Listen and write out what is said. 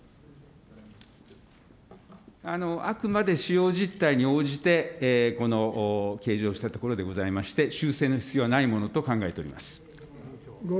あくまで使用実態に応じてこの計上したところでございまして、修正の必要はないものと考えております。